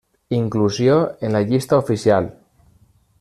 Inclusió en la llista oficial.